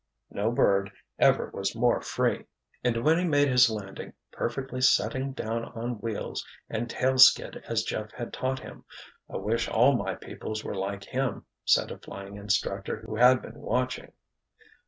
No bird ever was more free. And when he made his landing, perfectly setting down on wheels and tail skid as Jeff had taught him, "I wish all my pupils were like him," said a flying instructor who had been watching.